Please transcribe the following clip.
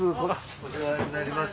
お世話になります。